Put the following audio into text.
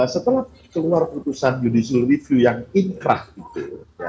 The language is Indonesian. setelah keluar putusan judicial review yang inkrah itu